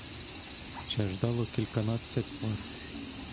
Ще ждало кільканадцять пар!